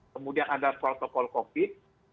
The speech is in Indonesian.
kemudian ada protokol covid